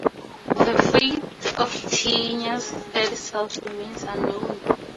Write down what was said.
The fate of Tinya's third self remains unknown.